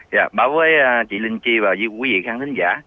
dạ báo với chị linh chi và quý vị khán giả